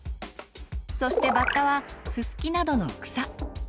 そしてバッタはススキなどの草。